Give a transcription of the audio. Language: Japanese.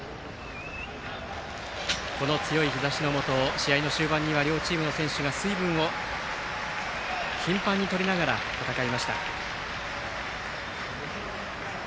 この強い日ざしのもと試合の終盤には両チームの選手が水分を頻繁にとりながら戦いました。